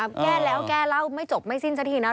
แก้แล้วแก้เล่าไม่จบไม่สิ้นสักทีนะ